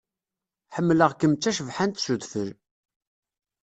Ḥemmleɣ-kem d tacebḥant s udfel.